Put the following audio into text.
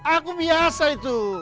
aku biasa itu